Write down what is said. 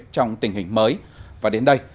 trong tình hình mới và đến đây